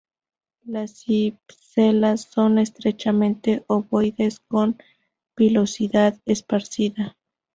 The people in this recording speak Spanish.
Las cipselas son estrechamente ovoides, con pilosidad esparcida.